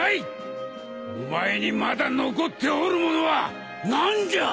お前にまだ残っておるものは何じゃ！